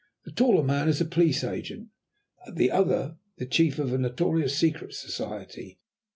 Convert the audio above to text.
The taller man is a Police Agent, the other the chief of a notorious Secret Society.